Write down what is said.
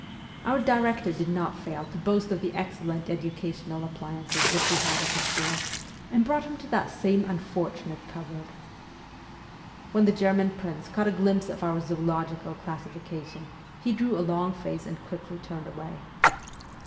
Our director did not fail to boast of the excellent educational appliances which we had at the school, and brought him to that same un fortunate cupboard. ... When the German prince caught a glimpse of our zoological classification, he drew a long face and quickly turned away.